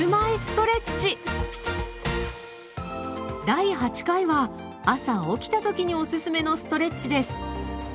第８回は朝起きた時におすすめのストレッチです。